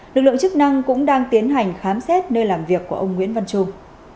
lực lượng chức năng cũng đang tiến hành khám xét nơi làm việc của ông nguyễn văn trung